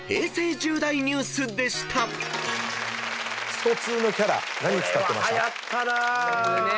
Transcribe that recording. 『ストⅡ』のキャラ何使ってました？